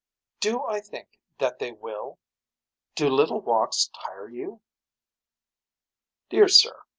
Do I think that they will. Do little walks tire you. Dear Sir.